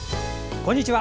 こんにちは。